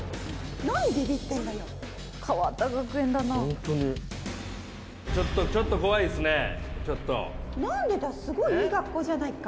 ホントにちょっとちょっと怖いっすねちょっと何でだすごいいい学校じゃないか・